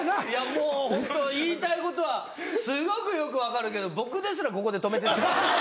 もうホント言いたいことはすごくよく分かるけど僕ですらここで止めてた。